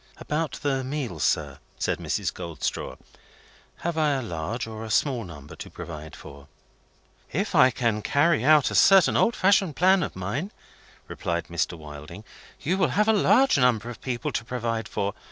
"About the meals, sir?" said Mrs. Goldstraw. "Have I a large, or a small, number to provide for?" "If I can carry out a certain old fashioned plan of mine," replied Mr. Wilding, "you will have a large number to provide for.